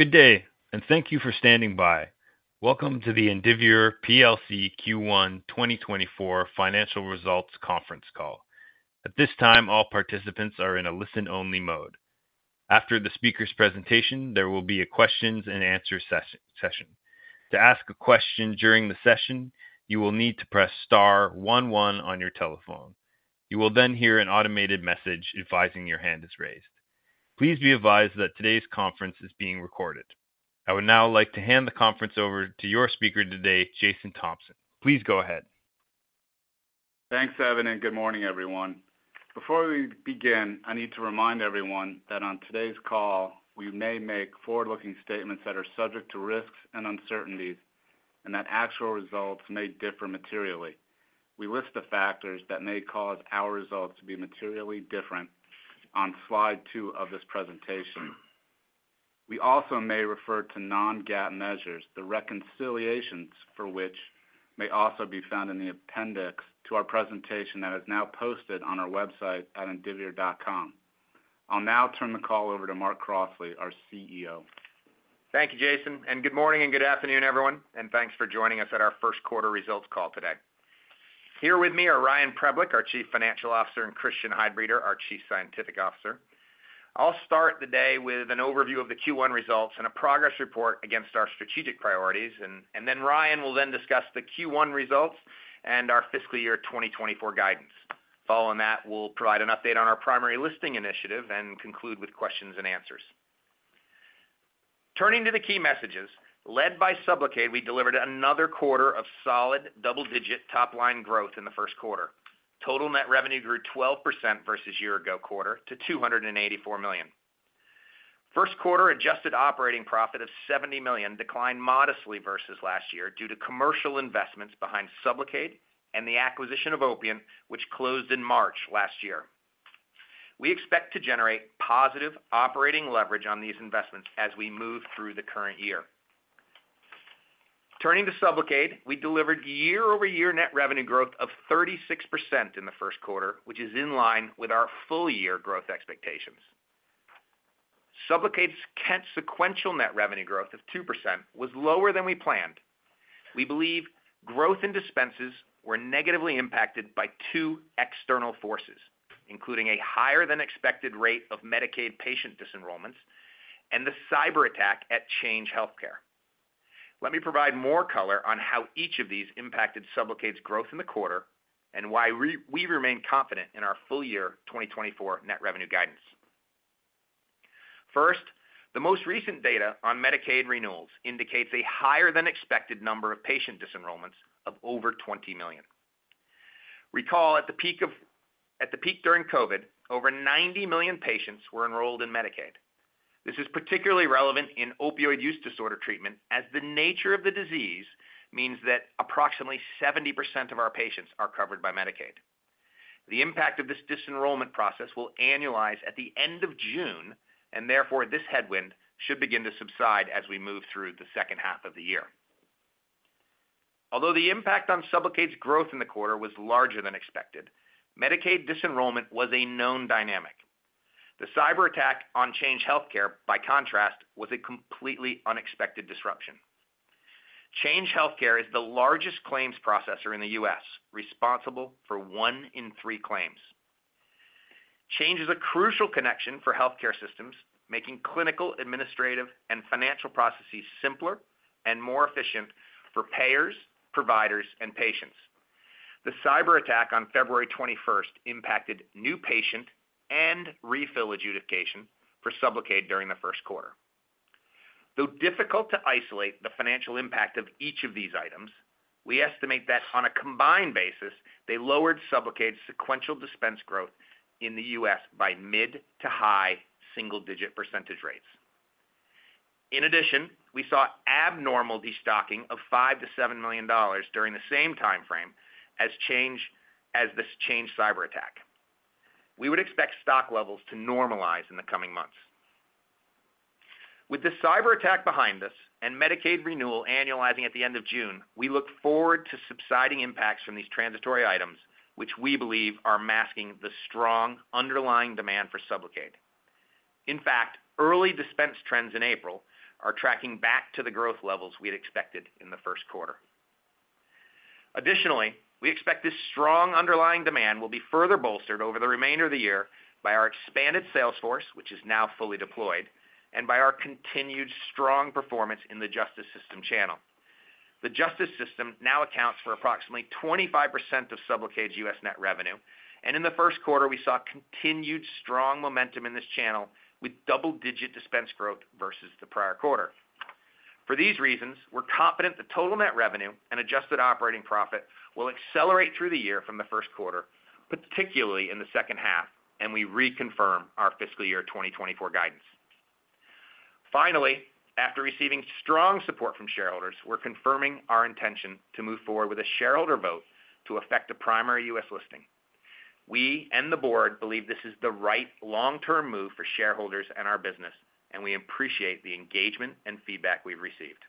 Good day, and thank you for standing by. Welcome to the Indivior PLC Q1 2024 Financial Results Conference Call. At this time, all participants are in a listen-only mode. After the speaker's presentation, there will be a questions-and-answer session. To ask a question during the session, you will need to press star one, one on your telephone. You will then hear an automated message advising your hand is raised. Please be advised that today's conference is being recorded. I would now like to hand the conference over to your speaker today, Jason Thompson. Please go ahead. Thanks, Evan, and good morning, everyone. Before we begin, I need to remind everyone that on today's call we may make forward-looking statements that are subject to risks and uncertainties, and that actual results may differ materially. We list the factors that may cause our results to be materially different on slide two of this presentation. We also may refer to non-GAAP measures, the reconciliations for which may also be found in the appendix to our presentation that is now posted on our website at Indivior.com. I'll now turn the call over to Mark Crossley, our CEO. Thank you, Jason, and good morning and good afternoon, everyone, and thanks for joining us at our first quarter results call today. Here with me are Ryan Preblick, our Chief Financial Officer, and Christian Heidbreder, our Chief Scientific Officer. I'll start the day with an overview of the Q1 results and a progress report against our strategic priorities, and then Ryan will then discuss the Q1 results and our fiscal year 2024 guidance. Following that, we'll provide an update on our primary listing initiative and conclude with questions and answers. Turning to the key messages, led by SUBLOCADE, we delivered another quarter of solid double-digit top-line growth in the first quarter. Total net revenue grew 12% versus year-ago quarter to $284 million. First quarter adjusted operating profit of $70 million declined modestly versus last year due to commercial investments behind SUBLOCADE and the acquisition of Opiant, which closed in March last year. We expect to generate positive operating leverage on these investments as we move through the current year. Turning to SUBLOCADE, we delivered year-over-year net revenue growth of 36% in the first quarter, which is in line with our full-year growth expectations. SUBLOCADE's sequential net revenue growth of 2% was lower than we planned. We believe growth and dispenses were negatively impacted by two external forces, including a higher-than-expected rate of Medicaid patient disenrollments and the cyberattack at Change Healthcare. Let me provide more color on how each of these impacted SUBLOCADE's growth in the quarter and why we remain confident in our full-year 2024 net revenue guidance. First, the most recent data on Medicaid renewals indicates a higher-than-expected number of patient disenrollments of over 20 million. Recall, at the peak during COVID, over 90 million patients were enrolled in Medicaid. This is particularly relevant in opioid use disorder treatment, as the nature of the disease means that approximately 70% of our patients are covered by Medicaid. The impact of this disenrollment process will annualize at the end of June, and therefore this headwind should begin to subside as we move through the second half of the year. Although the impact on SUBLOCADE's growth in the quarter was larger than expected, Medicaid disenrollment was a known dynamic. The cyberattack on Change Healthcare, by contrast, was a completely unexpected disruption. Change Healthcare is the largest claims processor in the U.S., responsible for one in three claims. Change Healthcare is a crucial connection for healthcare systems, making clinical, administrative, and financial processes simpler and more efficient for payers, providers, and patients. The cyberattack on February 21st impacted new patient and refill adjudication for SUBLOCADE during the first quarter. Though difficult to isolate the financial impact of each of these items, we estimate that on a combined basis, they lowered SUBLOCADE's sequential dispense growth in the U.S. by mid- to high single-digit percentage rates. In addition, we saw abnormal destocking of $5 million-$7 million during the same time frame as this Change Healthcare cyberattack. We would expect stock levels to normalize in the coming months. With the cyberattack behind us and Medicaid renewal annualizing at the end of June, we look forward to subsiding impacts from these transitory items, which we believe are masking the strong underlying demand for SUBLOCADE. In fact, early dispense trends in April are tracking back to the growth levels we had expected in the first quarter. Additionally, we expect this strong underlying demand will be further bolstered over the remainder of the year by our expanded sales force, which is now fully deployed, and by our continued strong performance in the justice system channel. The justice system now accounts for approximately 25% of SUBLOCADE's U.S. net revenue, and in the first quarter we saw continued strong momentum in this channel with double-digit dispense growth versus the prior quarter. For these reasons, we're confident the total net revenue and adjusted operating profit will accelerate through the year from the first quarter, particularly in the second half, and we reconfirm our fiscal year 2024 guidance. Finally, after receiving strong support from shareholders, we're confirming our intention to move forward with a shareholder vote to effect a primary U.S. listing. We and the board believe this is the right long-term move for shareholders and our business, and we appreciate the engagement and feedback we've received.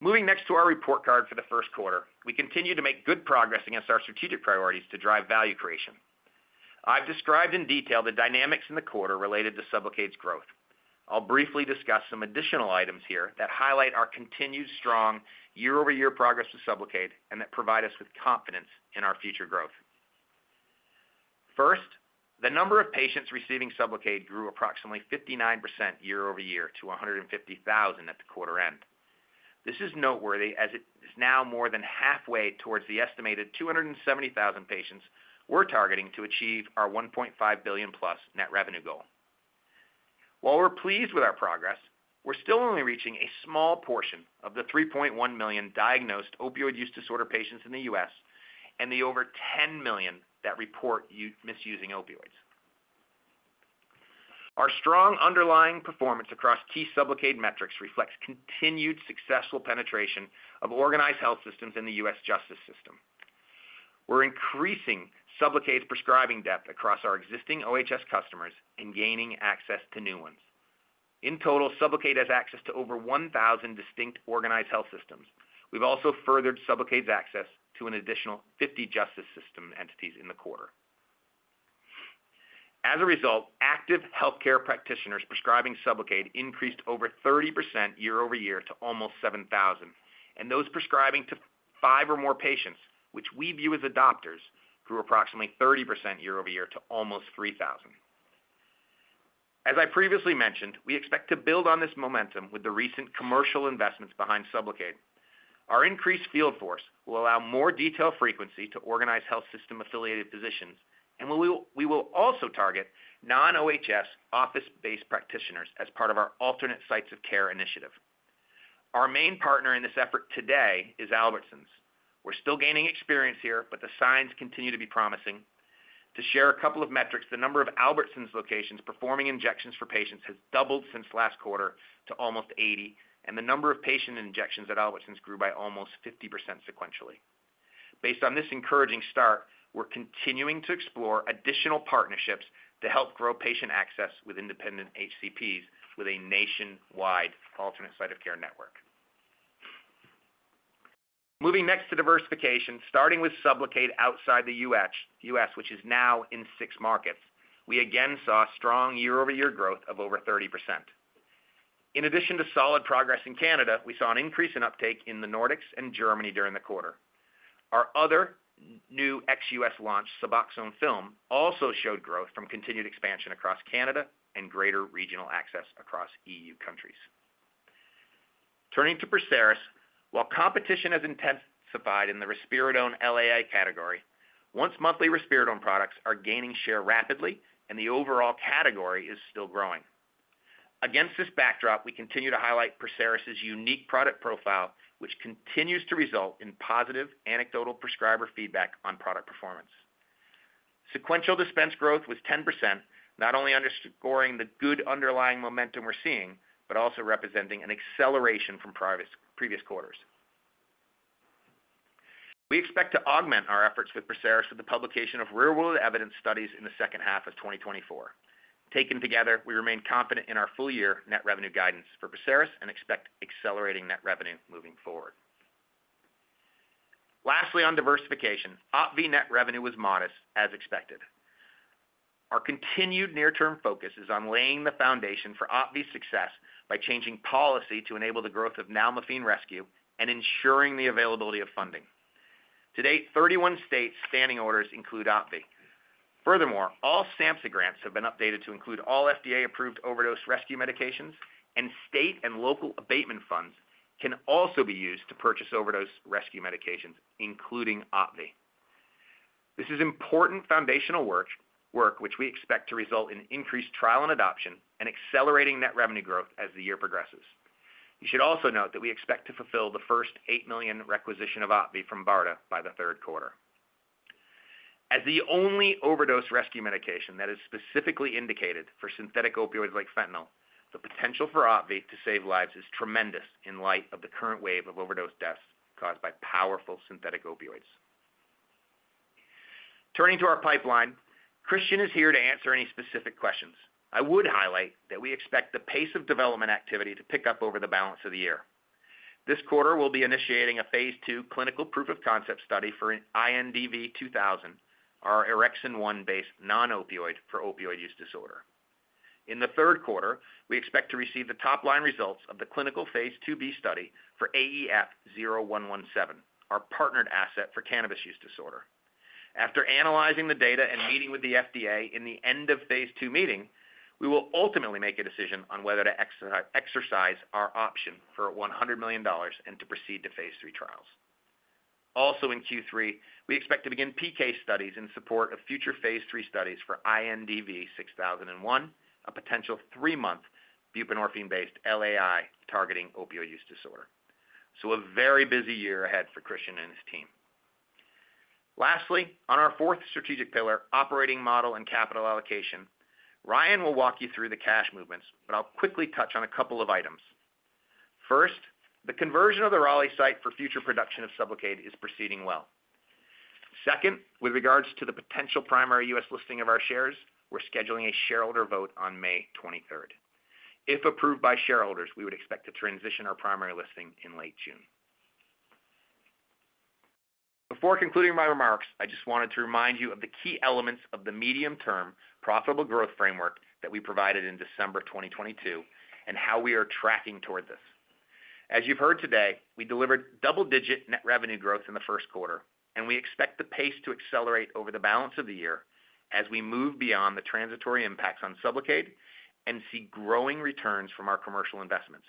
Moving next to our report card for the first quarter, we continue to make good progress against our strategic priorities to drive value creation. I've described in detail the dynamics in the quarter related to SUBLOCADE's growth. I'll briefly discuss some additional items here that highlight our continued strong year-over-year progress with SUBLOCADE and that provide us with confidence in our future growth. First, the number of patients receiving SUBLOCADE grew approximately 59% year-over-year to 150,000 at the quarter end. This is noteworthy as it is now more than halfway towards the estimated 270,000 patients we're targeting to achieve our $1.5 billion+ net revenue goal. While we're pleased with our progress, we're still only reaching a small portion of the 3.1 million diagnosed opioid use disorder patients in the U.S. and the over 10 million that report misusing opioids. Our strong underlying performance across key SUBLOCADE metrics reflects continued successful penetration of organized health systems in the U.S. justice system. We're increasing SUBLOCADE's prescribing depth across our existing OHS customers and gaining access to new ones. In total, SUBLOCADE has access to over 1,000 distinct organized health systems. We've also furthered SUBLOCADE's access to an additional 50 justice system entities in the quarter. As a result, active healthcare practitioners prescribing SUBLOCADE increased over 30% year-over-year to almost 7,000, and those prescribing to five or more patients, which we view as adopters, grew approximately 30% year-over-year to almost 3,000. As I previously mentioned, we expect to build on this momentum with the recent commercial investments behind SUBLOCADE. Our increased field force will allow more detailed frequency to organized health system-affiliated positions, and we will also target non-OHS office-based practitioners as part of our alternate sites of care initiative. Our main partner in this effort today is Albertsons. We're still gaining experience here, but the signs continue to be promising. To share a couple of metrics, the number of Albertsons locations performing injections for patients has doubled since last quarter to almost 80, and the number of patient injections at Albertsons grew by almost 50% sequentially. Based on this encouraging start, we're continuing to explore additional partnerships to help grow patient access with independent HCPs with a nationwide alternate site of care network. Moving next to diversification, starting with SUBLOCADE outside the U.S., which is now in six markets, we again saw strong year-over-year growth of over 30%. In addition to solid progress in Canada, we saw an increase in uptake in the Nordics and Germany during the quarter. Our other new ex-U.S. launch, Suboxone Film, also showed growth from continued expansion across Canada and greater regional access across EU countries. Turning to PERSERIS, while competition has intensified in the risperidone LAI category, once-monthly risperidone products are gaining share rapidly, and the overall category is still growing. Against this backdrop, we continue to highlight PERSERIS's unique product profile, which continues to result in positive anecdotal prescriber feedback on product performance. Sequential dispense growth was 10%, not only underscoring the good underlying momentum we're seeing but also representing an acceleration from previous quarters. We expect to augment our efforts with PERSERIS with the publication of real-world evidence studies in the second half of 2024. Taken together, we remain confident in our full-year net revenue guidance for PERSERIS and expect accelerating net revenue moving forward. Lastly, on diversification, OPVEE net revenue was modest, as expected. Our continued near-term focus is on laying the foundation for OPVEE's success by changing policy to enable the growth of nalmefene rescue and ensuring the availability of funding. To date, 31 states' standing orders include OPVEE. Furthermore, all SAMHSA grants have been updated to include all FDA-approved overdose rescue medications, and state and local abatement funds can also be used to purchase overdose rescue medications, including OPVEE. This is important foundational work, which we expect to result in increased trial and adoption and accelerating net revenue growth as the year progresses. You should also note that we expect to fulfill the first $8 million requisition of OPVEE from BARDA by the third quarter. As the only overdose rescue medication that is specifically indicated for synthetic opioids like fentanyl, the potential for OPVEE to save lives is tremendous in light of the current wave of overdose deaths caused by powerful synthetic opioids. Turning to our pipeline, Christian is here to answer any specific questions. I would highlight that we expect the pace of development activity to pick up over the balance of the year. This quarter we'll be initiating a phase II clinical proof of concept study for INDV-2000, our orexin-1-based non-opioid for opioid use disorder. In the third quarter, we expect to receive the top-line results of the clinical phase IIb study for AEF0117, our partnered asset for cannabis use disorder. After analyzing the data and meeting with the FDA in the end of phase II meeting, we will ultimately make a decision on whether to exercise our option for $100 million and to proceed to phase III trials. Also in Q3, we expect to begin PK studies in support of future phase III studies for INDV-6001, a potential three-month buprenorphine-based LAI targeting opioid use disorder. So a very busy year ahead for Christian and his team. Lastly, on our fourth strategic pillar, operating model and capital allocation, Ryan will walk you through the cash movements, but I'll quickly touch on a couple of items. First, the conversion of the Raleigh site for future production of SUBLOCADE is proceeding well. Second, with regards to the potential primary U.S. listing of our shares, we're scheduling a shareholder vote on May 23rd. If approved by shareholders, we would expect to transition our primary listing in late June. Before concluding my remarks, I just wanted to remind you of the key elements of the medium-term profitable growth framework that we provided in December 2022 and how we are tracking toward this. As you've heard today, we delivered double-digit net revenue growth in the first quarter, and we expect the pace to accelerate over the balance of the year as we move beyond the transitory impacts on SUBLOCADE and see growing returns from our commercial investments.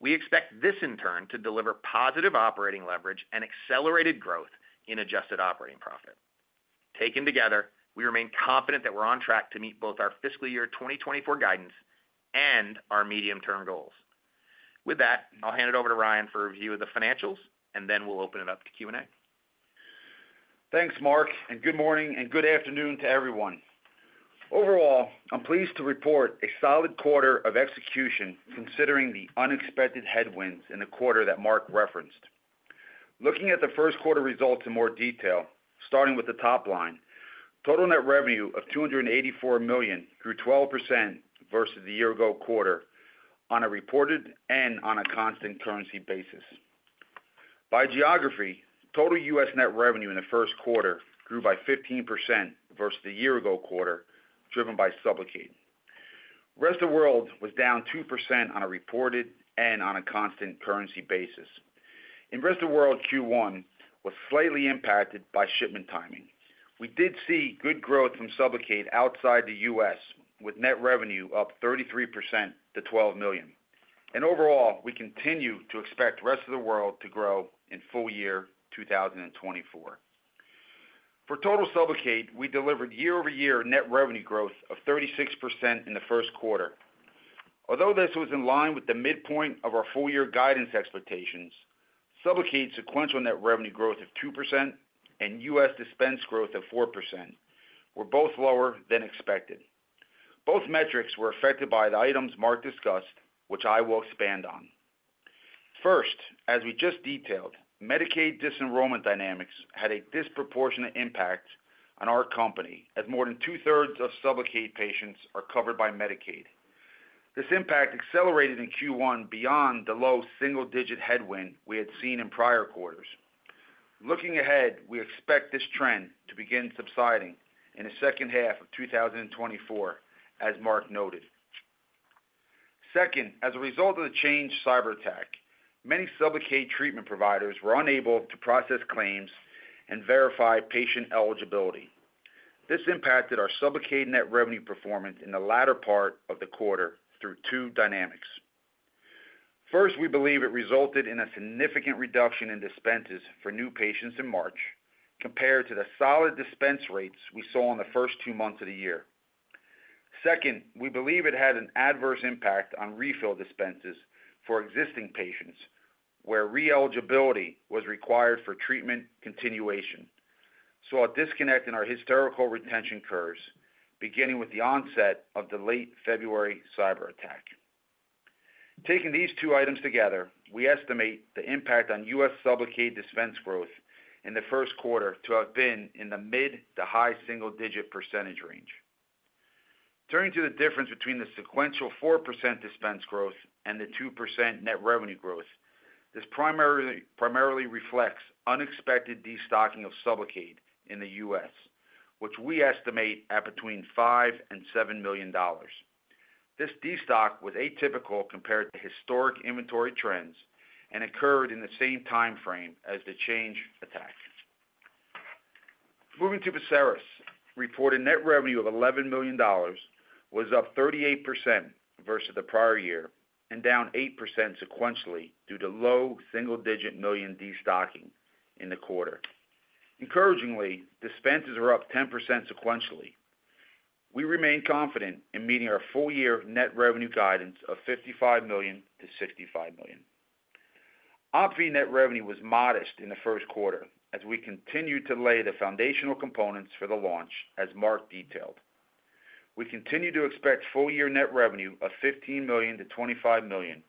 We expect this, in turn, to deliver positive operating leverage and accelerated growth in adjusted operating profit. Taken together, we remain confident that we're on track to meet both our fiscal year 2024 guidance and our medium-term goals. With that, I'll hand it over to Ryan for a review of the financials, and then we'll open it up to Q&A. Thanks, Mark, and good morning and good afternoon to everyone. Overall, I'm pleased to report a solid quarter of execution considering the unexpected headwinds in the quarter that Mark referenced. Looking at the first quarter results in more detail, starting with the top line, total net revenue of $284 million grew 12% versus the year-ago quarter on a reported and on a constant currency basis. By geography, total U.S. net revenue in the first quarter grew by 15% versus the year-ago quarter, driven by SUBLOCADE. Rest of world was down 2% on a reported and on a constant currency basis. Rest of world Q1 was slightly impacted by shipment timing. We did see good growth from SUBLOCADE outside the U.S. with net revenue up 33% to $12 million. Overall, we continue to expect rest of the world to grow in full-year 2024. For total SUBLOCADE, we delivered year-over-year net revenue growth of 36% in the first quarter. Although this was in line with the midpoint of our full-year guidance expectations, SUBLOCADE's sequential net revenue growth of 2% and U.S. dispense growth of 4% were both lower than expected. Both metrics were affected by the items Mark discussed, which I will expand on. First, as we just detailed, Medicaid disenrollment dynamics had a disproportionate impact on our company as more than two-thirds of SUBLOCADE patients are covered by Medicaid. This impact accelerated in Q1 beyond the low single-digit headwind we had seen in prior quarters. Looking ahead, we expect this trend to begin subsiding in the second half of 2024, as Mark noted. Second, as a result of the Change Healthcare cyber attack, many SUBLOCADE treatment providers were unable to process claims and verify patient eligibility. This impacted our SUBLOCADE net revenue performance in the latter part of the quarter through two dynamics. First, we believe it resulted in a significant reduction in dispenses for new patients in March compared to the solid dispense rates we saw in the first two months of the year. Second, we believe it had an adverse impact on refill dispenses for existing patients where re-eligibility was required for treatment continuation. So I'll discuss our historical retention curves, beginning with the onset of the late February cyber attack. Taking these two items together, we estimate the impact on U.S. SUBLOCADE dispense growth in the first quarter to have been in the mid- to high single-digit % range. Turning to the difference between the sequential 4% dispense growth and the 2% net revenue growth, this primarily reflects unexpected destocking of SUBLOCADE in the U.S., which we estimate at between $5 and $7 million. This destock was atypical compared to historic inventory trends and occurred in the same time frame as the cyberattack. Moving to PERSERIS, reported net revenue of $11 million was up 38% versus the prior-year and down 8% sequentially due to low single-digit million destocking in the quarter. Encouragingly, dispenses are up 10% sequentially. We remain confident in meeting our full-year net revenue guidance of $55 million-$65 million. OPVEE net revenue was modest in the first quarter as we continue to lay the foundational components for the launch, as Mark detailed. We continue to expect full-year net revenue of $15 million-$25 million,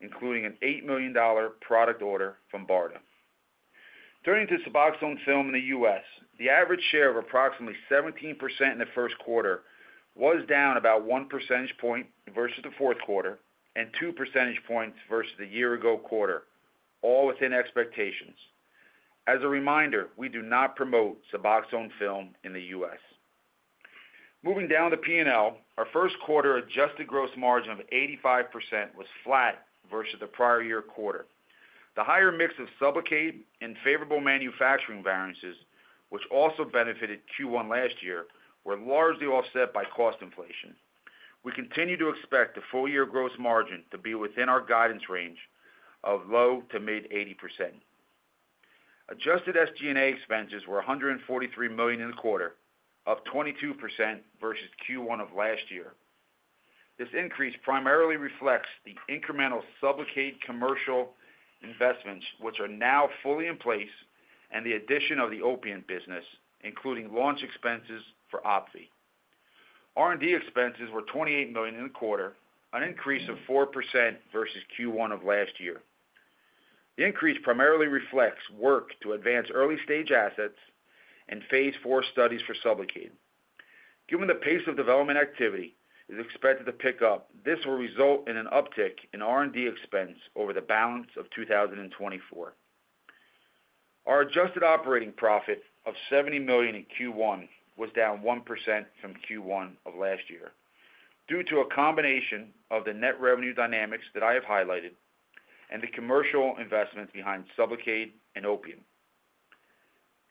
including an $8 million product order from BARDA. Turning to Suboxone Film in the U.S., the average share of approximately 17% in the first quarter was down about one percentage point versus the fourth quarter and two percentage points versus the year-ago quarter, all within expectations. As a reminder, we do not promote Suboxone Film in the U.S. Moving down to P&L, our first quarter adjusted gross margin of 85% was flat versus the prior-year quarter. The higher mix of SUBLOCADE and favorable manufacturing variances, which also benefited Q1 last year, were largely offset by cost inflation. We continue to expect the full-year gross margin to be within our guidance range of low- to mid-80%. Adjusted SG&A expenses were $143 million in the quarter, up 22% versus Q1 of last year. This increase primarily reflects the incremental SUBLOCADE commercial investments, which are now fully in place, and the addition of the Opiant business, including launch expenses for OPVEE. R&D expenses were $28 million in the quarter, an increase of 4% versus Q1 of last year. The increase primarily reflects work to advance early-stage assets and Phase 4 studies for SUBLOCADE. Given the pace of development activity, it is expected to pick up. This will result in an uptick in R&D expense over the balance of 2024. Our adjusted operating profit of $70 million in Q1 was down 1% from Q1 of last year due to a combination of the net revenue dynamics that I have highlighted and the commercial investments behind SUBLOCADE and Opiant.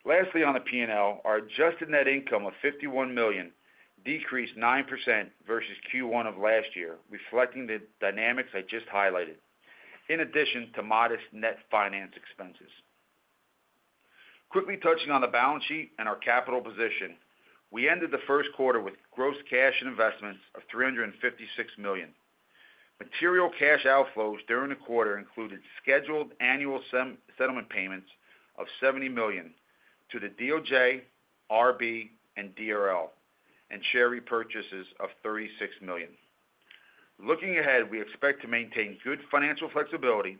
Lastly, on the P&L, our adjusted net income of $51 million decreased 9% versus Q1 of last year, reflecting the dynamics I just highlighted, in addition to modest net finance expenses. Quickly touching on the balance sheet and our capital position, we ended the first quarter with gross cash and investments of $356 million. Material cash outflows during the quarter included scheduled annual settlement payments of $70 million to the DOJ, RB, and DRL, and share repurchases of $36 million. Looking ahead, we expect to maintain good financial flexibility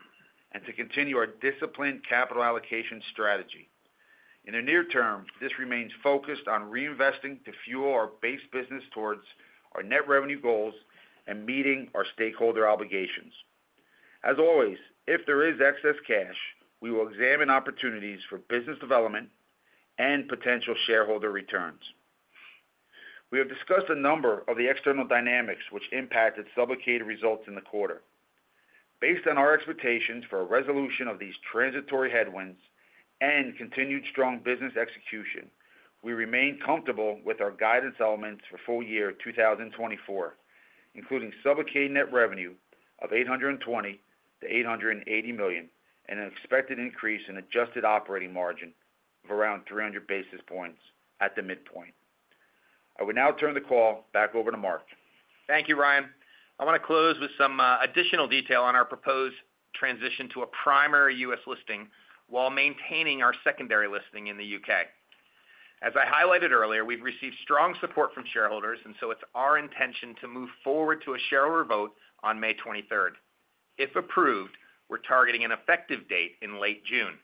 and to continue our disciplined capital allocation strategy. In the near term, this remains focused on reinvesting to fuel our base business towards our net revenue goals and meeting our stakeholder obligations. As always, if there is excess cash, we will examine opportunities for business development and potential shareholder returns. We have discussed a number of the external dynamics which impacted SUBLOCADE results in the quarter. Based on our expectations for a resolution of these transitory headwinds and continued strong business execution, we remain comfortable with our guidance elements for full-year 2024, including SUBLOCADE net revenue of $820 million-$880 million and an expected increase in adjusted operating margin of around 300 basis points at the midpoint. I would now turn the call back over to Mark. Thank you, Ryan. I want to close with some additional detail on our proposed transition to a primary U.S. listing while maintaining our secondary listing in the U.K. As I highlighted earlier, we've received strong support from shareholders, and so it's our intention to move forward to a shareholder vote on May 23rd. If approved, we're targeting an effective date in late June.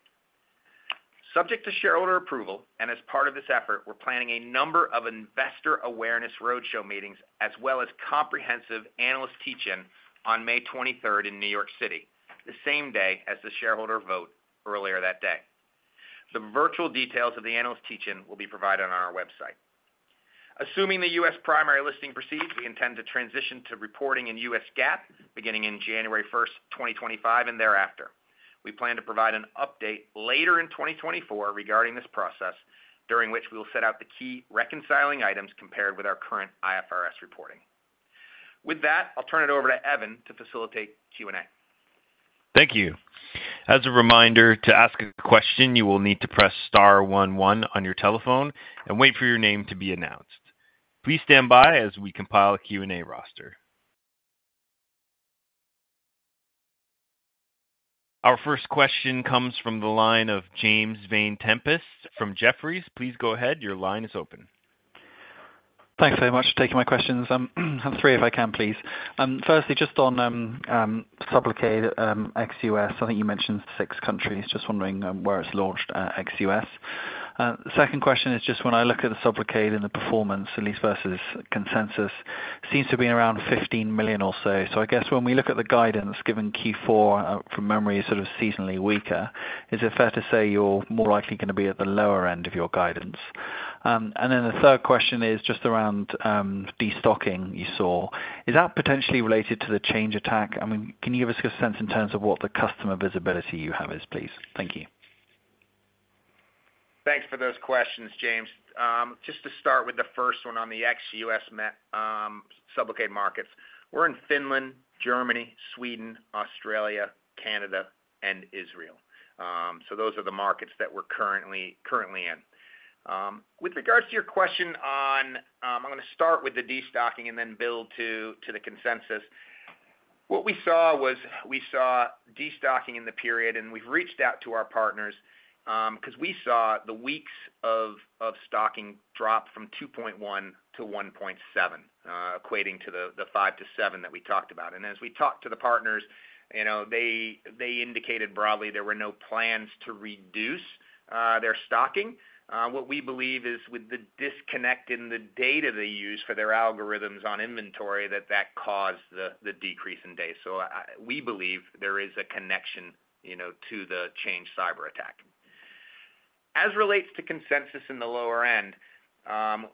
Subject to shareholder approval and as part of this effort, we're planning a number of investor awareness roadshow meetings as well as comprehensive analyst teach-in on May 23rd in New York City, the same day as the shareholder vote earlier that day. The virtual details of the analyst teach-in will be provided on our website. Assuming the U.S. primary listing proceeds, we intend to transition to reporting in U.S. GAAP beginning on January 1st, 2025, and thereafter. We plan to provide an update later in 2024 regarding this process, during which we will set out the key reconciling items compared with our current IFRS reporting. With that, I'll turn it over to Evan to facilitate Q&A. Thank you. As a reminder, to ask a question, you will need to press star one, one on your telephone and wait for your name to be announced. Please stand by as we compile a Q&A roster. Our first question comes from the line of James Vane-Tempest from Jefferies. Please go ahead. Your line is open. Thanks very much for taking my questions. I'll have three if I can, please. Firstly, just on SUBLOCADE ex-US, I think you mentioned six countries. Just wondering where it's launched ex-US. Second question is just when I look at the SUBLOCADE and the performance, at least versus consensus, seems to have been around $15 million or so. So I guess when we look at the guidance given Q4, from memory, is sort of seasonally weaker. Is it fair to say you're more likely going to be at the lower end of your guidance? And then the third question is just around destocking you saw. Is that potentially related to the Change attack? I mean, can you give us a sense in terms of what the customer visibility you have is, please? Thank you. Thanks for those questions, James. Just to start with the first one on the ex-US SUBLOCADE markets, we're in Finland, Germany, Sweden, Australia, Canada, and Israel. So those are the markets that we're currently in. With regards to your question, I'm going to start with the destocking and then build to the consensus. What we saw was we saw destocking in the period, and we've reached out to our partners because we saw the weeks of stocking drop from 2.1 to 1.7, equating to the $5-$7 that we talked about. And as we talked to the partners, they indicated broadly there were no plans to reduce their stocking. What we believe is with the disconnect in the data they use for their algorithms on inventory, that that caused the decrease in days. So we believe there is a connection to the Change Healthcare cyber attack. As relates to consensus in the lower end,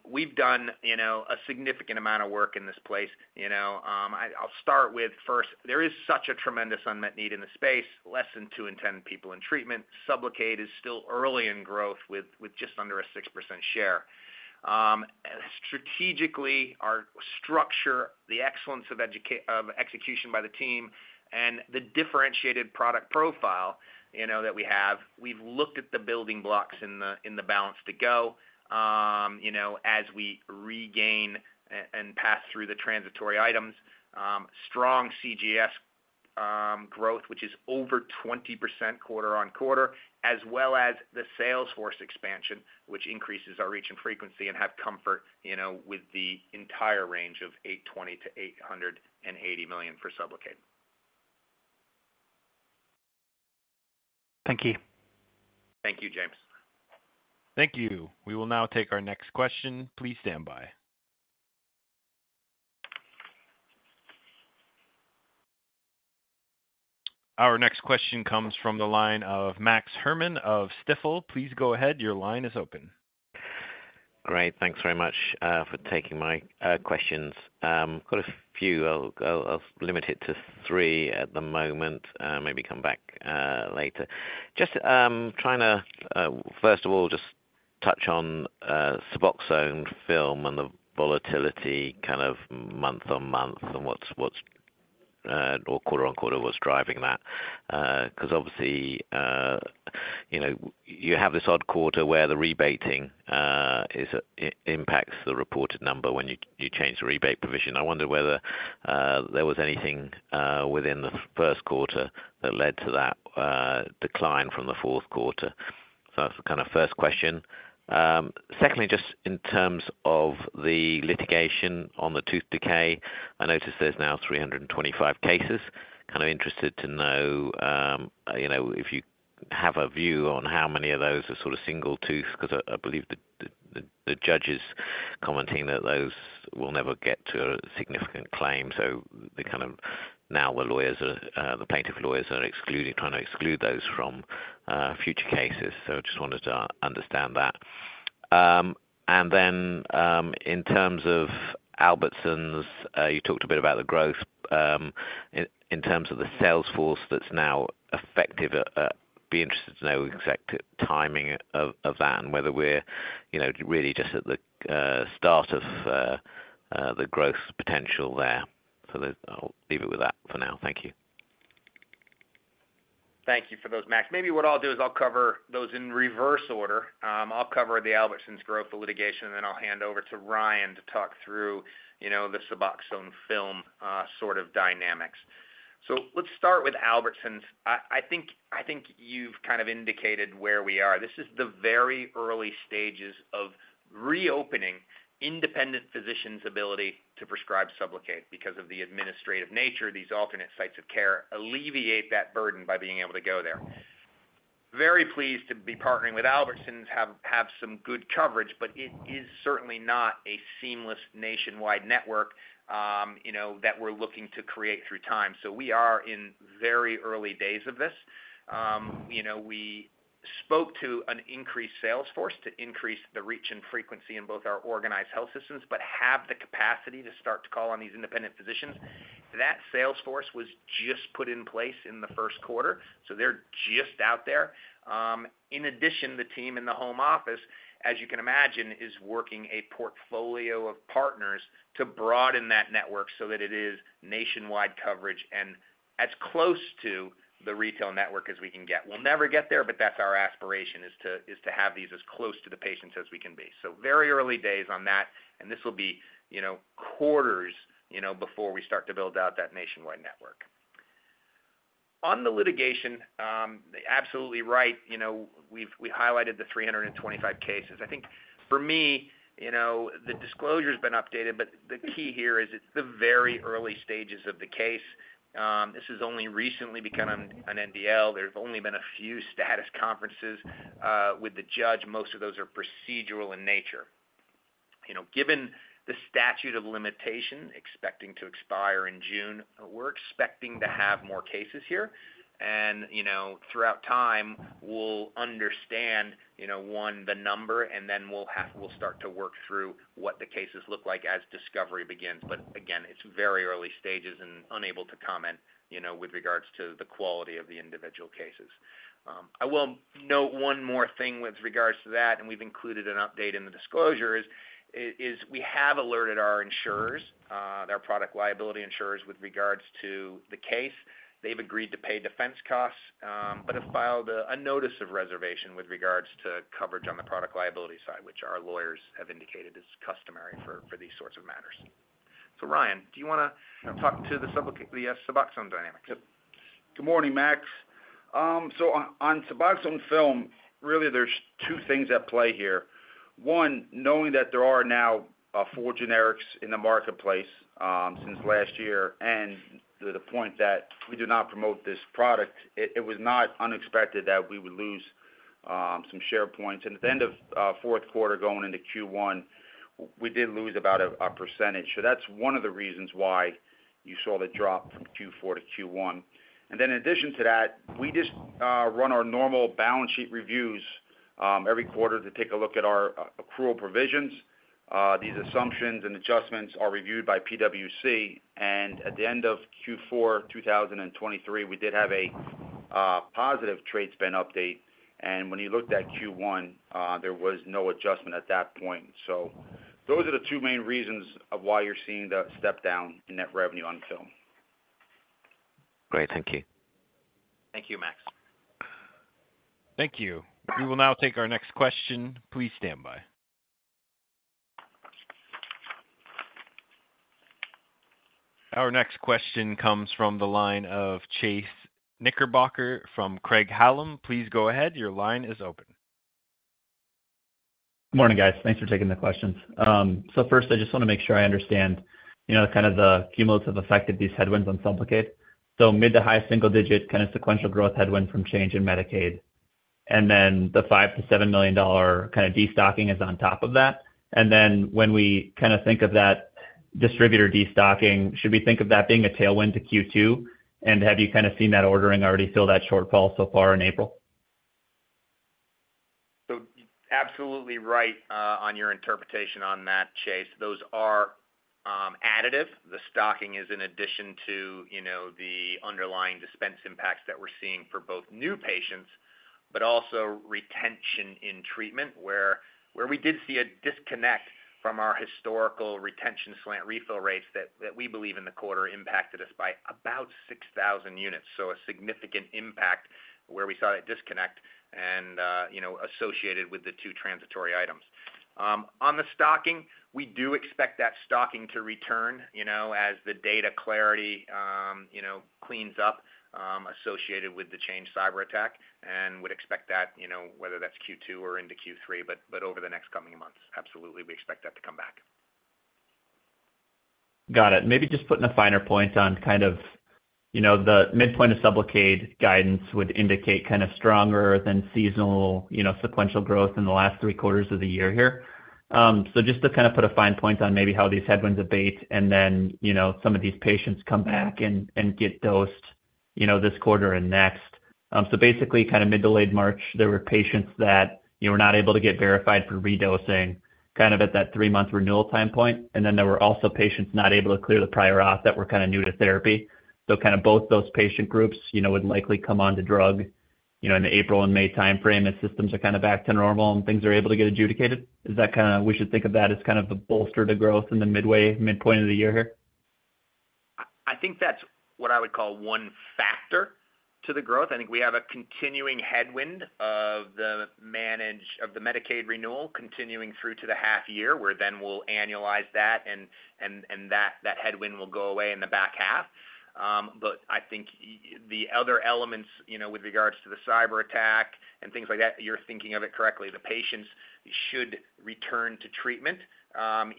we've done a significant amount of work in this space. I'll start with first, there is such a tremendous unmet need in the space, less than two in 10 people in treatment. SUBLOCADE is still early in growth with just under a 6% share. Strategically, our structure, the excellence of execution by the team, and the differentiated product profile that we have, we've looked at the building blocks in the balance to go as we regain and pass through the transitory items. Strong CJS growth, which is over 20% quarter-over-quarter, as well as the sales force expansion, which increases our reach and frequency and have comfort with the entire range of $820 million-$880 million for SUBLOCADE. Thank you. Thank you, James. Thank you. We will now take our next question. Please stand by. Our next question comes from the line of Max Herrmann of Stifel. Please go ahead. Your line is open. Great. Thanks very much for taking my questions. I've got a few. I'll limit it to three at the moment. Maybe come back later. First of all, just touch on Suboxone Film and the volatility kind of month-over-month and what's or quarter-over-quarter what's driving that. Because obviously, you have this odd quarter where the rebating impacts the reported number when you change the rebate provision. I wonder whether there was anything within the first quarter that led to that decline from the fourth quarter. So that's the kind of first question. Secondly, just in terms of the litigation on the tooth decay, I notice there's now 325 cases. Kind of interested to know if you have a view on how many of those are sort of single tooth because I believe the judge is commenting that those will never get to a significant claim. So now the plaintiff lawyers are trying to exclude those from future cases. So I just wanted to understand that. And then in terms of Albertsons, you talked a bit about the growth. In terms of the sales force that's now effective, I'd be interested to know exact timing of that and whether we're really just at the start of the growth potential there. So I'll leave it with that for now. Thank you. Thank you for those, Max. Maybe what I'll do is I'll cover those in reverse order. I'll cover the Albertsons growth, the litigation, and then I'll hand over to Ryan to talk through the Suboxone Film sort of dynamics. So let's start with Albertsons. I think you've kind of indicated where we are. This is the very early stages of reopening independent physicians' ability to prescribe SUBLOCADE because of the administrative nature. These alternate sites of care alleviate that burden by being able to go there. Very pleased to be partnering with Albertsons, have some good coverage, but it is certainly not a seamless nationwide network that we're looking to create through time. So we are in very early days of this. We spoke to an increased sales force to increase the reach and frequency in both our organized health systems but have the capacity to start to call on these independent physicians. That sales force was just put in place in the first quarter. So they're just out there. In addition, the team in the home office, as you can imagine, is working a portfolio of partners to broaden that network so that it is nationwide coverage and as close to the retail network as we can get. We'll never get there, but that's our aspiration, is to have these as close to the patients as we can be. So very early days on that, and this will be quarters before we start to build out that nationwide network. On the litigation, absolutely right. We highlighted the 325 cases. I think for me, the disclosure has been updated, but the key here is it's the very early stages of the case. This has only recently become an NDL. There have only been a few status conferences with the judge. Most of those are procedural in nature. Given the statute of limitation expecting to expire in June, we're expecting to have more cases here. And throughout time, we'll understand, one, the number, and then we'll start to work through what the cases look like as discovery begins. But again, it's very early stages and unable to comment with regards to the quality of the individual cases. I will note one more thing with regards to that, and we've included an update in the disclosure, is we have alerted our insurers, our product liability insurers, with regards to the case. They've agreed to pay defense costs but have filed a notice of reservation with regards to coverage on the product liability side, which our lawyers have indicated is customary for these sorts of matters. So Ryan, do you want to talk to the Suboxone dynamics? Yep. Good morning, Max. So on Suboxone Film, really, there's two things at play here. One, knowing that there are now four generics in the marketplace since last year and to the point that we do not promote this product, it was not unexpected that we would lose some share points. And at the end of fourth quarter going into Q1, we did lose about a percentage. So that's one of the reasons why you saw the drop from Q4-Q1. And then in addition to that, we just run our normal balance sheet reviews every quarter to take a look at our accrual provisions. These assumptions and adjustments are reviewed by PwC. And at the end of Q4, 2023, we did have a positive trade spend update. And when you looked at Q1, there was no adjustment at that point. So those are the two main reasons of why you're seeing the step down in net revenue on film. Great. Thank you. Thank you, Max. Thank you. We will now take our next question. Please stand by. Our next question comes from the line of Chase Knickerbocker from Craig-Hallum. Please go ahead. Your line is open. Morning, guys. Thanks for taking the questions. So first, I just want to make sure I understand kind of the cumulative effect of these headwinds on SUBLOCADE. So mid- to high single-digit kind of sequential growth headwind from Change and Medicaid. And then the $5-$7 million kind of destocking is on top of that. And then when we kind of think of that distributor destocking, should we think of that being a tailwind to Q2? And have you kind of seen that ordering already fill that shortfall so far in April? So absolutely right on your interpretation on that, Chase. Those are additive. The stocking is in addition to the underlying dispense impacts that we're seeing for both new patients but also retention in treatment where we did see a disconnect from our historical retention slant refill rates that we believe in the quarter impacted us by about 6,000 units. So a significant impact where we saw that disconnect and associated with the two transitory items. On the stocking, we do expect that stocking to return as the data clarity cleans up associated with the Change Healthcare cyberattack and would expect that whether that's Q2 or into Q3, but over the next coming months, absolutely, we expect that to come back. Got it. Maybe just putting a finer point on kind of the midpoint of SUBLOCADE guidance would indicate kind of stronger than seasonal sequential growth in the last three quarters of the year here. So just to kind of put a fine point on maybe how these headwinds abate and then some of these patients come back and get dosed this quarter and next. So basically, kind of mid to late March, there were patients that were not able to get verified for redosing kind of at that three-month renewal time point. And then there were also patients not able to clear the prior auth that were kind of new to therapy. So kind of both those patient groups would likely come on to drug in the April and May time frame as systems are kind of back to normal and things are able to get adjudicated. Is that kind of we should think of that as kind of the bolster to growth in the midway, midpoint of the year here? I think that's what I would call one factor to the growth. I think we have a continuing headwind of the Medicaid renewal continuing through to the half-year where then we'll annualize that, and that headwind will go away in the back half. But I think the other elements with regards to the cyber attack and things like that, you're thinking of it correctly. The patients should return to treatment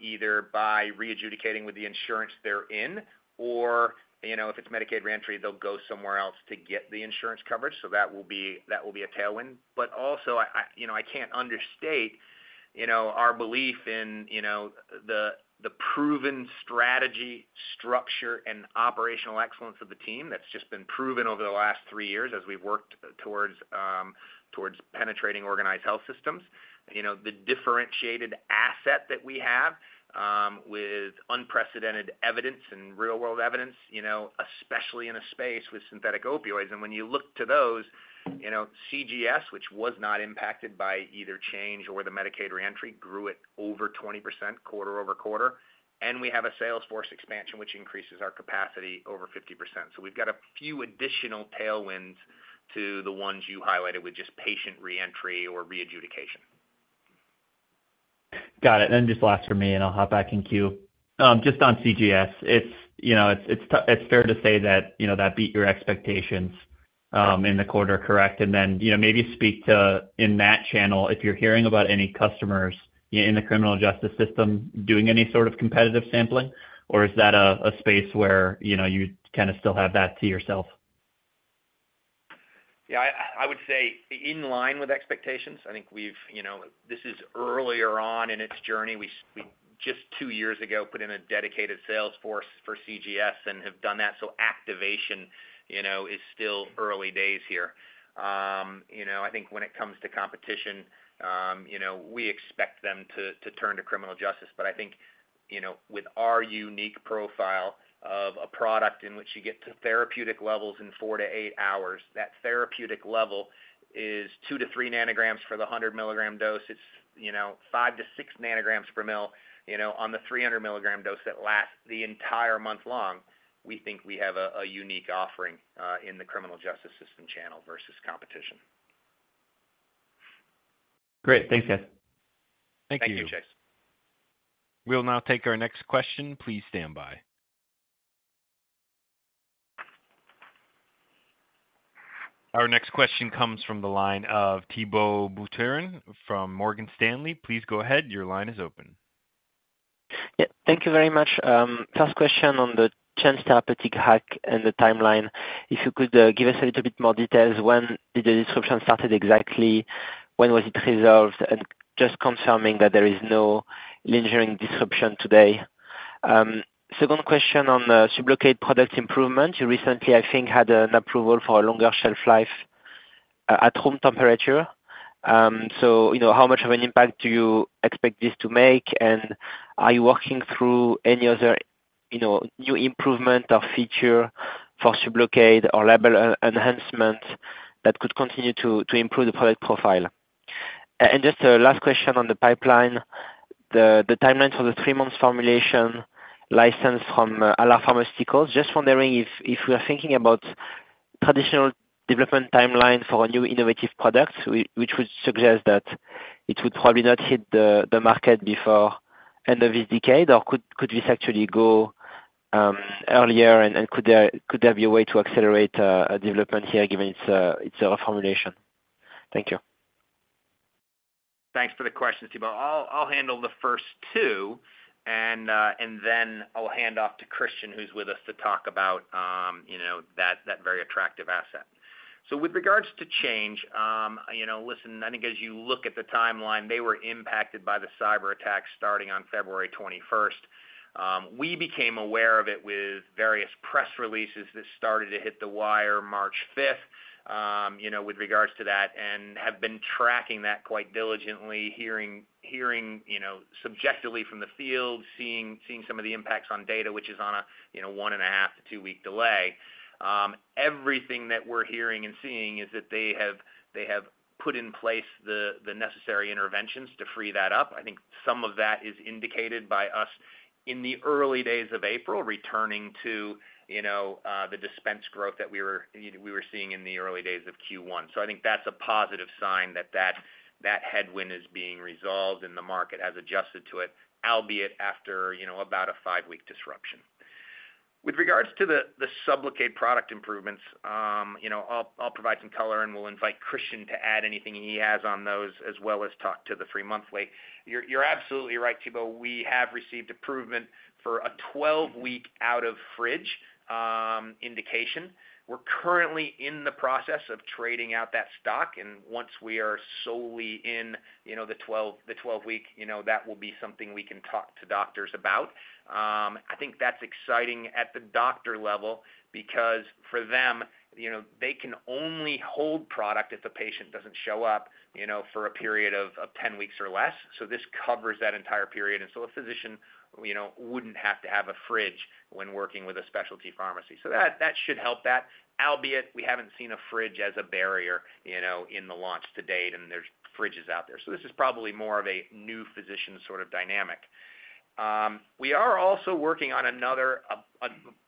either by readjudicating with the insurance they're in or if it's Medicaid reentry, they'll go somewhere else to get the insurance coverage. So that will be a tailwind. But also, I can't understate our belief in the proven strategy, structure, and operational excellence of the team that's just been proven over the last three years as we've worked towards penetrating organized health systems. The differentiated asset that we have with unprecedented evidence and real-world evidence, especially in a space with synthetic opioids. And when you look to those, CJS, which was not impacted by either change or the Medicaid reentry, grew it over 20% quarter-over-quarter. And we have a sales force expansion, which increases our capacity over 50%. So we've got a few additional tailwinds to the ones you highlighted with just patient reentry or readjudication. Got it. And then just last for me, and I'll hop back in queue. Just on CJS, it's fair to say that that beat your expectations in the quarter, correct? And then maybe speak to in that channel, if you're hearing about any customers in the criminal justice system doing any sort of competitive sampling, or is that a space where you kind of still have that to yourself? Yeah. I would say in line with expectations. I think we've this is earlier on in its journey. We just two years ago put in a dedicated sales force for CJS and have done that. So activation is still early days here. I think when it comes to competition, we expect them to turn to criminal justice. But I think with our unique profile of a product in which you get to therapeutic levels in four to eight hours, that therapeutic level is two to three nanograms for the 100-mg dose. It's five to six nanograms per ml. On the 300-mg dose that lasts the entire month long, we think we have a unique offering in the criminal justice system channel versus competition. Great. Thanks, guys. Thank you. Thank you, Chase. We'll now take our next question. Please stand by. Our next question comes from the line of Thibault Boutherin from Morgan Stanley. Please go ahead. Your line is open. Yeah. Thank you very much. First question on the Change Healthcare hack and the timeline. If you could give us a little bit more details. When did the disruption start exactly? When was it resolved? And just confirming that there is no lingering disruption today. Second question on the SUBLOCADE product improvement. You recently, I think, had an approval for a longer shelf life at room temperature. So how much of an impact do you expect this to make? And are you working through any other new improvement or feature for SUBLOCADE or label enhancement that could continue to improve the product profile? And just a last question on the pipeline. The timeline for the three-month formulation license from Alar Pharmaceuticals. Just wondering if we're thinking about traditional development timeline for a new innovative product, which would suggest that it would probably not hit the market before end of this decade, or could this actually go earlier? And could there be a way to accelerate development here given it's a reformulation? Thank you. Thanks for the questions, Thibault. I'll handle the first two, and then I'll hand off to Christian, who's with us, to talk about that very attractive asset. So with regards to Change Healthcare, listen, I think as you look at the timeline, they were impacted by the cyberattack starting on February 21st. We became aware of it with various press releases that started to hit the wire March 5th with regards to that and have been tracking that quite diligently, hearing subjectively from the field, seeing some of the impacts on data, which is on a 1.5-2-week delay. Everything that we're hearing and seeing is that they have put in place the necessary interventions to free that up. I think some of that is indicated by us in the early days of April returning to the dispense growth that we were seeing in the early days of Q1. So I think that's a positive sign that that headwind is being resolved and the market has adjusted to it, albeit after about a five week disruption. With regards to the SUBLOCADE product improvements, I'll provide some color, and we'll invite Christian to add anything he has on those as well as talk to the three-monthly. You're absolutely right, Thibault. We have received approval for a 12-week out-of-fridge indication. We're currently in the process of trading out that stock. And once we are solely in the 12-week, that will be something we can talk to doctors about. I think that's exciting at the doctor level because for them, they can only hold product if the patient doesn't show up for a period of 10 weeks or less. So this covers that entire period. And so a physician wouldn't have to have a fridge when working with a specialty pharmacy. So that should help that, albeit we haven't seen a fridge as a barrier in the launch to date, and there's fridges out there. So this is probably more of a new physician sort of dynamic. We are also working on another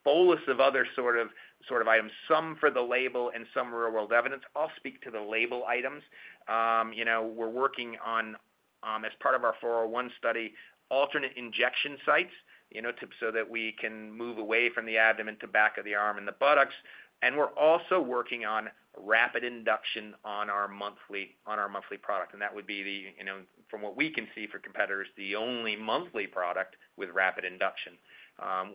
bolus of other sort of items, some for the label and some real-world evidence. I'll speak to the label items. We're working on, as part of our 401 study, alternate injection sites so that we can move away from the abdomen to back of the arm and the buttocks. We're also working on rapid induction on our monthly product. That would be the, from what we can see for competitors, the only monthly product with rapid induction.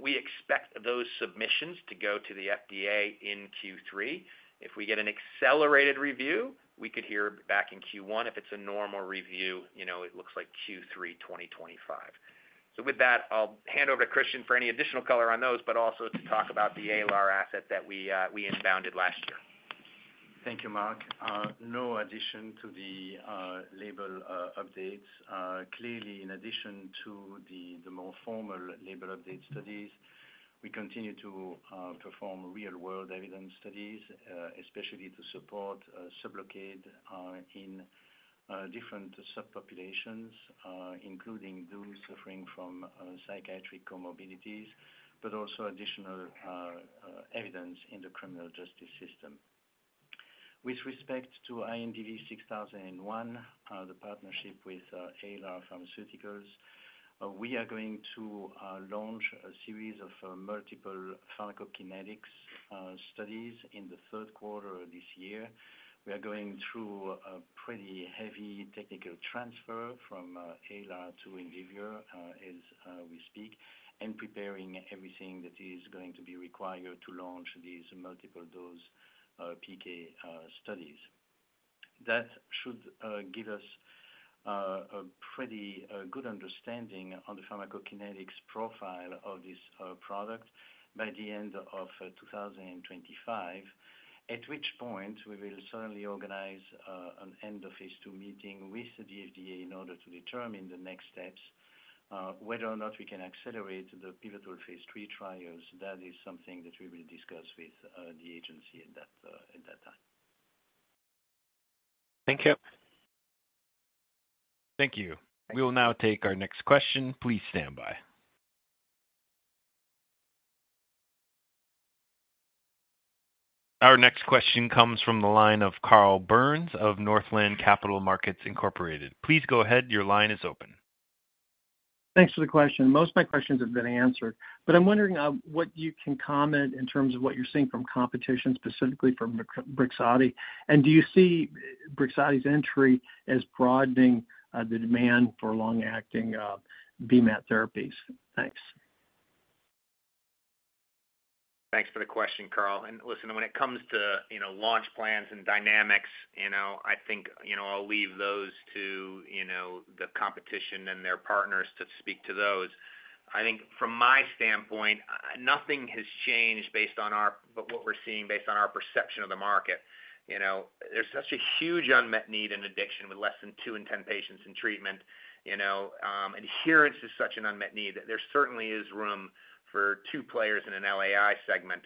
We expect those submissions to go to the FDA in Q3. If we get an accelerated review, we could hear back in Q1. If it's a normal review, it looks like Q3 2025. So with that, I'll hand over to Christian for any additional color on those but also to talk about the Alar asset that we in-licensed last year. Thank you, Mark. No addition to the label updates. Clearly, in addition to the more formal label update studies, we continue to perform real-world evidence studies, especially to support SUBLOCADE in different subpopulations, including those suffering from psychiatric comorbidities but also additional evidence in the criminal justice system. With respect to INDV-6001, the partnership with Alar Pharmaceuticals, we are going to launch a series of multiple pharmacokinetics studies in the third quarter of this year. We are going through a pretty heavy technical transfer from Alar to Indivior as we speak and preparing everything that is going to be required to launch these multiple-dose PK studies. That should give us a pretty good understanding on the pharmacokinetics profile of this product by the end of 2025, at which point we will certainly organize an end-of-phase II meeting with the FDA in order to determine the next steps, whether or not we can accelerate the pivotal phase III trials. That is something that we will discuss with the agency at that time. Thank you. Thank you. We will now take our next question. Please stand by. Our next question comes from the line of Carl Byrnes of Northland Capital Markets, Incorporated. Please go ahead. Your line is open. Thanks for the question. Most of my questions have been answered, but I'm wondering what you can comment in terms of what you're seeing from competition, specifically from Brixadi. And do you see Brixadi's entry as broadening the demand for long-acting BMAT therapies? Thanks. Thanks for the question, Carl. And listen, when it comes to launch plans and dynamics, I think I'll leave those to the competition and their partners to speak to those. I think from my standpoint, nothing has changed based on what we're seeing based on our perception of the market. There's such a huge unmet need and addiction with less than two in 10 patients in treatment. Adherence is such an unmet need that there certainly is room for two players in an LAI segment.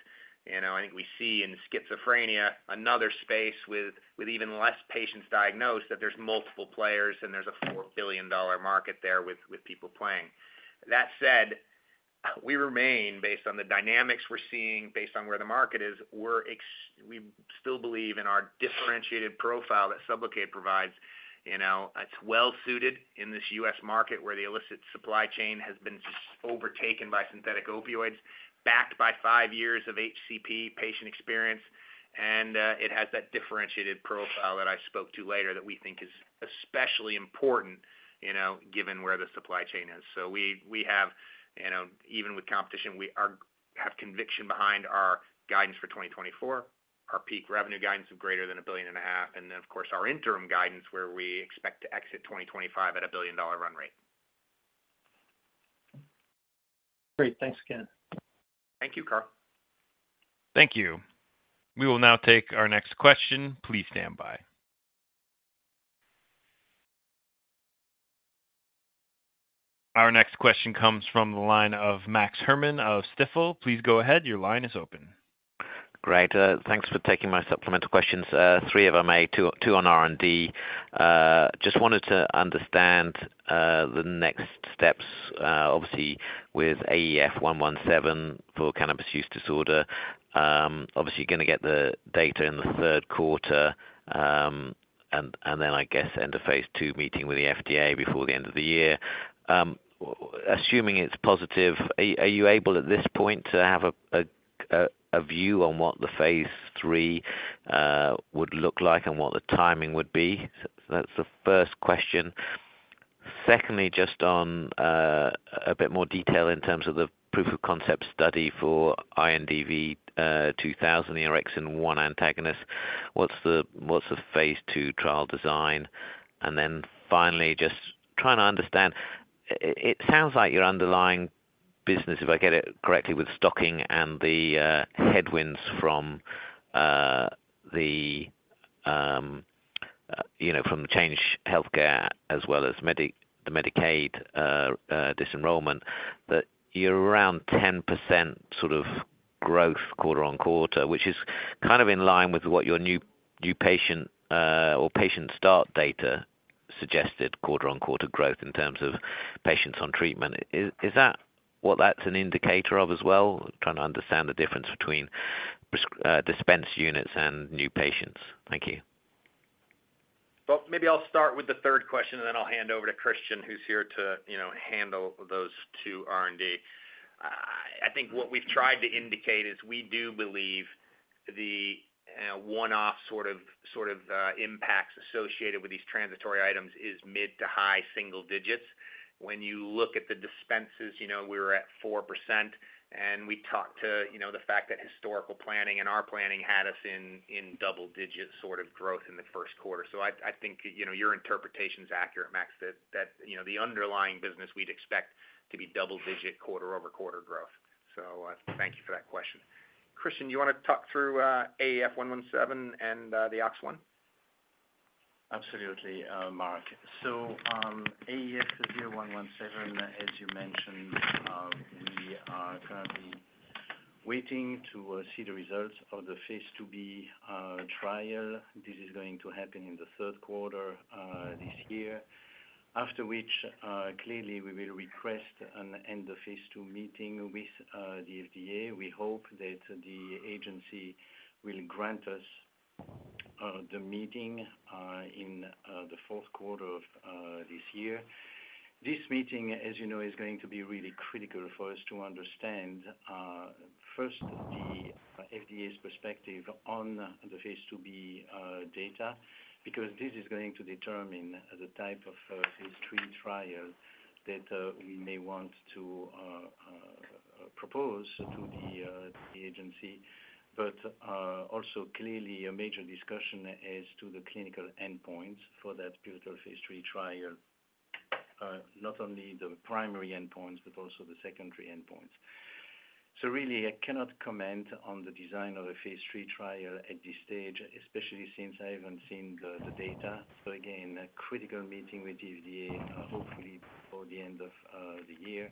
I think we see in schizophrenia another space with even less patients diagnosed that there's multiple players, and there's a $4 billion market there with people playing. That said, we remain, based on the dynamics we're seeing, based on where the market is, we still believe in our differentiated profile that SUBLOCADE provides. It's well-suited in this U.S. market where the illicit supply chain has been just overtaken by synthetic opioids, backed by five years of HCP patient experience. And it has that differentiated profile that I spoke to later that we think is especially important given where the supply chain is. So we have, even with competition, we have conviction behind our guidance for 2024, our peak revenue guidance of greater than $1.5 billion, and then, of course, our interim guidance where we expect to exit 2025 at a $1 billion run rate. Great. Thanks again. Thank you, Carl.. Thank you. We will now take our next question. Please stand by. Our next question comes from the line of Max Herrmann of Stifel. Please go ahead. Your line is open. Great. Thanks for taking my supplemental questions. Three of them, two on R&D. Just wanted to understand the next steps, obviously, with AEF0117 for cannabis use disorder. Obviously, you're going to get the data in the third quarter, and then, I guess, end-of-phase II meeting with the FDA before the end of the year. Assuming it's positive, are you able at this point to have a view on what the phase III would look like and what the timing would be? That's the first question. Secondly, just on a bit more detail in terms of the proof of concept study for INDV-2000, the orexin-1 antagonist, what's the phase II trial design? And then finally, just trying to understand, it sounds like your underlying business, if I get it correctly, with stocking and the headwinds from Change Healthcare as well as the Medicaid disenrollment, that you're around 10% sort of growth quarter-on-quarter, which is kind of in line with what your new patient or patient start data suggested quarter-on-quarter growth in terms of patients on treatment. Is that what that's an indicator of as well? Trying to understand the difference between dispense units and new patients. Thank you. Well, maybe I'll start with the third question, and then I'll hand over to Christian, who's here to handle those two R&D. I think what we've tried to indicate is we do believe the one-off sort of impacts associated with these transitory items is mid to high single digits. When you look at the dispenses, we were at 4%. We talked to the fact that historical planning and our planning had us in double-digit sort of growth in the first quarter. So I think your interpretation's accurate, Max, that the underlying business, we'd expect to be double-digit quarter-over-quarter growth. So thank you for that question. Christian, do you want to talk through AEF0117 and the OX1? Absolutely, Mark. So AEF0117. As you mentioned, we are currently waiting to see the results of the phase IIb trial. This is going to happen in the third quarter this year, after which, clearly, we will request an end-of-phase II meeting with the FDA. We hope that the agency will grant us the meeting in the fourth quarter of this year. This meeting, as you know, is going to be really critical for us to understand, first, the FDA's perspective on the phase IIb data because this is going to determine the type of phase III trial that we may want to propose to the agency. But also, clearly, a major discussion as to the clinical endpoints for that pivotal phase III trial, not only the primary endpoints but also the secondary endpoints. So really, I cannot comment on the design of a phase III trial at this stage, especially since I haven't seen the data. So again, critical meeting with the FDA, hopefully, by the end of the year.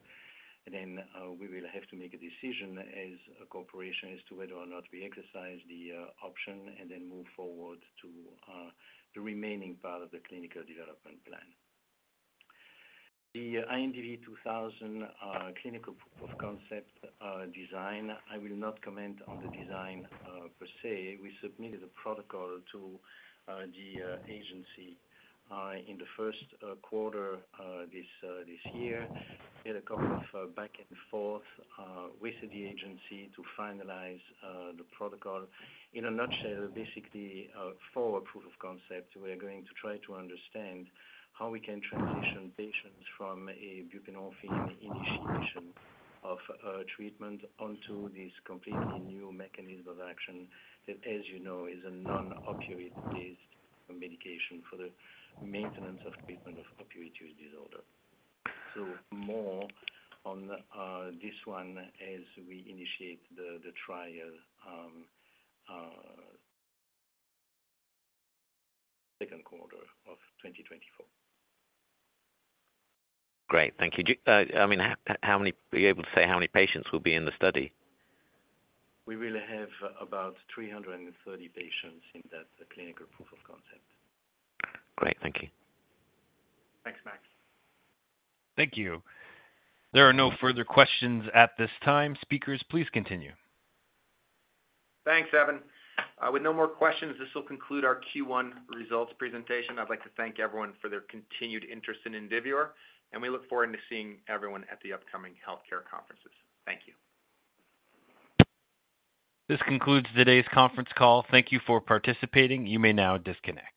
And then we will have to make a decision as a corporation as to whether or not we exercise the option and then move forward to the remaining part of the clinical development plan. The INDV-2000 clinical proof of concept design, I will not comment on the design per se. We submitted a protocol to the agency in the first quarter this year, did a couple of back and forth with the agency to finalize the protocol. In a nutshell, basically, for a proof of concept, we are going to try to understand how we can transition patients from a buprenorphine initiation of treatment onto this completely new mechanism of action that, as you know, is a non-opioid-based medication for the maintenance of treatment of opioid use disorder. More on this one as we initiate the trial second quarter of 2024. Great. Thank you. I mean, are you able to say how many patients will be in the study? We will have about 330 patients in that clinical proof of concept. Great. Thank you. Thanks, Max. Thank you. There are no further questions at this time. Speakers, please continue. Thanks, Evan. With no more questions, this will conclude our Q1 results presentation. I'd like to thank everyone for their continued interest in Indivior, and we look forward to seeing everyone at the upcoming healthcare conferences. Thank you. This concludes today's conference call. Thank you for participating. You may now disconnect.